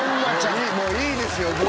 「もういいですよ